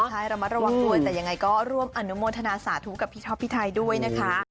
ใช่ระมัดระวังด้วยแต่ยังไงก็ร่วมอนุโมทนาสาธุกับพี่ท็อปพี่ไทยด้วยนะคะ